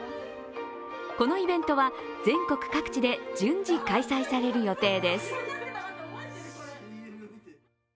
このイベントは、全国各地で順次開催される予定です。